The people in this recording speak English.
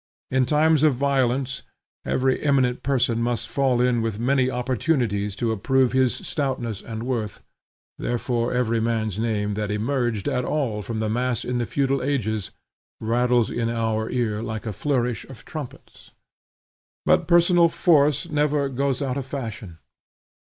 In times of violence, every eminent person must fall in with many opportunities to approve his stoutness and worth; therefore every man's name that emerged at all from the mass in the feudal ages, rattles in our ear like a flourish of trumpets. But personal force never goes out of fashion.